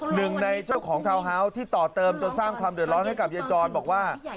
หนึ่งในเจ้าของทาวน์ฮาวส์ที่ต่อเติมจนสร้างความเดือดร้อนให้กับยายจรบอกว่า